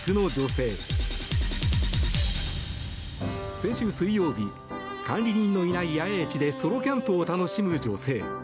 先週水曜日管理人のいない野営地でソロキャンプを楽しむ女性。